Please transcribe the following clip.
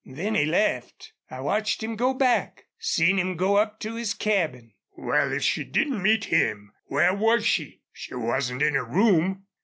Then he left. I watched him go back seen him go up to his cabin." "Wal, if she didn't meet him, where was she? She wasn't in her room."